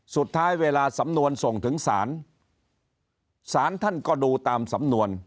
สุดท้ายเวลาสำนวนส่งถึงศาลศาลท่านก็ดูตามสำนวน